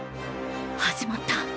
始まった。